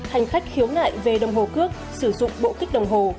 hành khách khiếu nại về đồng hồ cước sử dụng bộ kích đồng hồ